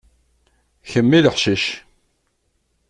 Kemm i leḥcic.